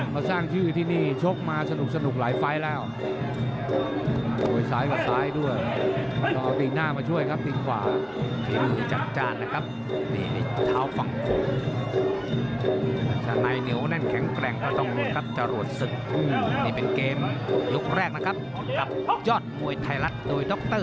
มาสร้างชื่อที่นี่ชกมาสนุกหลายไฟล์แล้ว